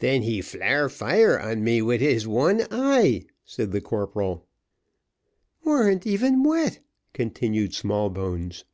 "Then he flare fire on me wid his one eye," said the corporal. "Warn't even wet," continued Smallbones.